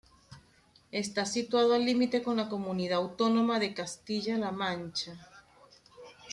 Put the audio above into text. Está situado al límite con la comunidad autónoma de Castilla-La Mancha.